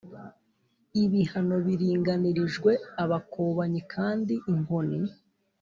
Ibihano biringanirijwe abakobanyi Kandi inkoni